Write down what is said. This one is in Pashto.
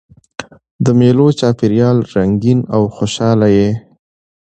د مېلو چاپېریال رنګین او خوشحاله يي.